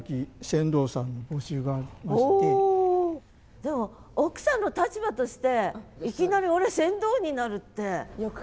でも奥さんの立場としていきなり「俺船頭になる」って。